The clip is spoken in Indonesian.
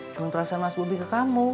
cuma perasaan mas bobi ke kamu